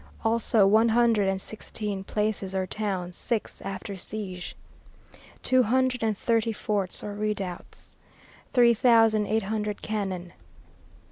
Also one hundred and sixteen places or towns, six after siege. Two hundred and thirty forts or redoubts. Three thousand eight hundred cannon.